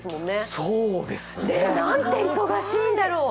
そうですね！なんて忙しいんだろう！